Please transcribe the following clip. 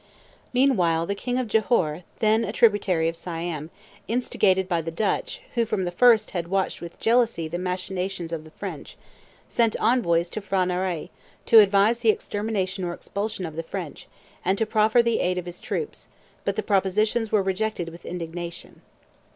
Meanwhile the king of Johore, then a tributary of Siam, instigated by the Dutch, who, from the first, had watched with jealousy the machinations of the French, sent envoys to P'hra Narai, to advise the extermination or expulsion of the French, and to proffer the aid of his troops; but the proposition was rejected with indignation.